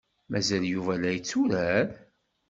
Mazal Yuba la yetturar?